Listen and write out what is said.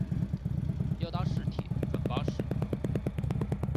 要搭市铁转巴士